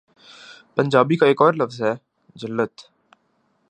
پنجابی کا ایک اور لفظ ہے، ' جھلت‘۔